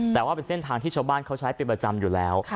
แต่ว่าเป็นเส้นทางที่ชาวบ้านเขาใช้เป็นประจำอยู่แล้ว